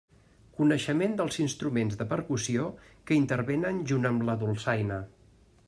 Coneixement dels instruments de percussió que intervenen junt amb la dolçaina.